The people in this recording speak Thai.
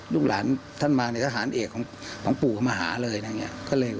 ลูกหลานท่านมาในทหารเอกของปู่เข้ามาหาเลย